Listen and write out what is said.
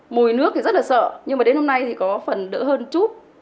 mùi nước thì rất là sợ nhưng mà đến hôm nay thì có phần đỡ hơn chút